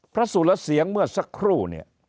พระสุลเสียงเมื่อสักครู่